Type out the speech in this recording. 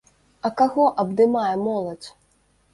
А каго абдымае моладзь?